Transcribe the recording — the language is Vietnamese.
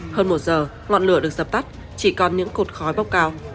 hơn một giờ ngọn lửa được dập tắt chỉ còn những cột khói bốc cao